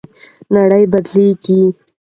نړۍ بدلیږي.